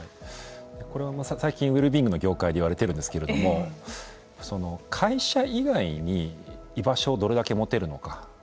これは最近ウェルビーイングの業界で言われているんですけれども会社以外に居場所をどれだけ持てるのか。